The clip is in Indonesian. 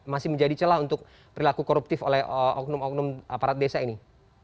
masih menjadi celah untuk perilaku koruptif oleh oknum oknum aparat desa ini